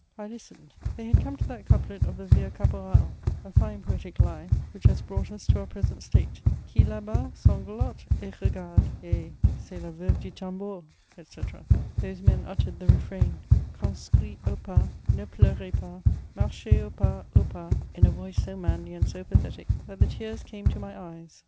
I listened: they had come to that couplet of the Vieux caporal, a fine poetic lie, which has brought us to our present state: Qui là bas sanglote et regarde? Eh! c'est la veuve du tambour, etc. Those men uttered the refrain: Conscrits au pas; ne pleurez pas ... Marchez au pas, au pas, in a voice so manly and so pathetic that the tears came to my eyes.